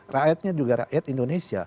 rakyatnya juga rakyat indonesia